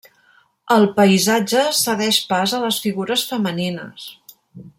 El paisatge cedeix pas a les figures femenines.